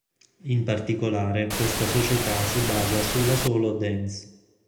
In particolare questa società si basa sulla solo dance.